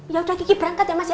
ya udah gigi berangkat ya mas ya